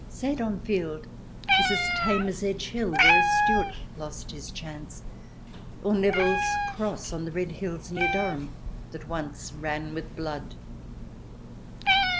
Sedan field is as tame as Edge Hill, where a Stuart lost his chance, or Nevill's Cross on the Red Hills near Durham that once ran with blood.